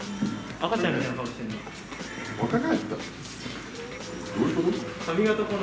赤ちゃんみたいな顔してるな。